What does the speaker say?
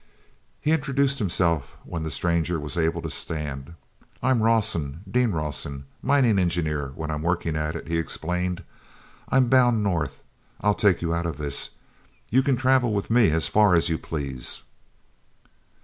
e introduced himself when the stranger was able to stand. "I'm Rawson, Dean Rawson, mining engineer when I'm working at it," he explained. "I'm bound north. I'll take you out of this. You can travel with me as far as you please."